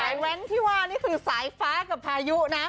แว้นที่ว่านี่คือสายฟ้ากับพายุนะ